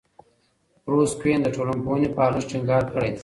بروس کوئن د ټولنپوهنې په ارزښت ټینګار کړی دی.